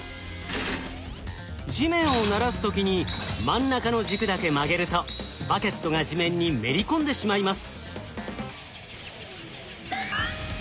地面をならす時に真ん中の軸だけ曲げるとバケットが地面にめり込んでしまいます。